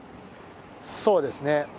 そうですね。